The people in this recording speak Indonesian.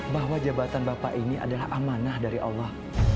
bahwa jabatan bapak ini adalah amanah dari allah